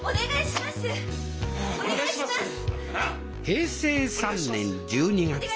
平成３年１２月。